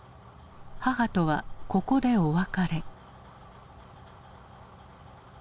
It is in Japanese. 母とはここでお別れ。